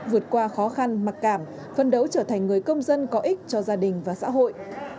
vượt qua khó khăn mặc cảm phân đấu trở thành người công dân có ích cho gia đình và xã hội